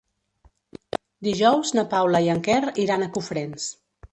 Dijous na Paula i en Quer iran a Cofrents.